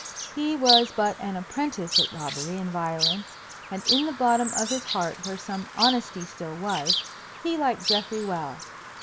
He was but an apprentice at robbery and violence, and in the bottom of his heart, where some honesty still was, he liked Geoffrey well.